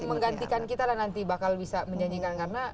terus menggantikan kita lah nanti bakal bisa menjanjikan karena